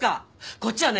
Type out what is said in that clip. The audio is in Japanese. こっちはね